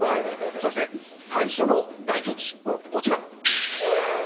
そして最初の大ピンチこちら！